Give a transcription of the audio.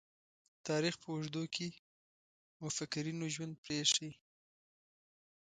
تاریخ په اوږدو کې مُفکرینو ژوند پريښی.